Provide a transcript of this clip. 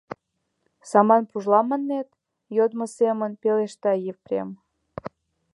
Саман пужла, маннет? — йодмо семын пелешта Епрем.